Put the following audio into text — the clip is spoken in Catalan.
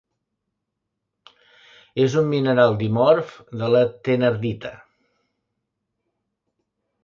És un mineral dimorf de la thenardita.